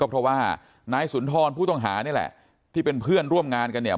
เพราะว่านายสุนทรผู้ต้องหานี่แหละที่เป็นเพื่อนร่วมงานกันเนี่ย